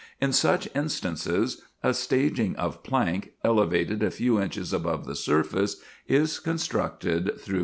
In some instances, a staging of plank, elevated a few inches above the surface, is constructed through the alleys."